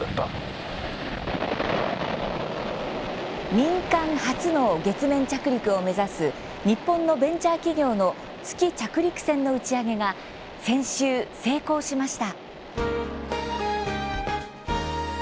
民間初の月面着陸を目指す日本のベンチャー企業の月着陸船の打ち上げが先週、成功しました。